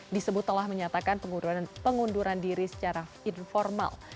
disebut telah menyatakan pengunduran diri secara informal